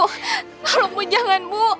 tolong bu jangan bu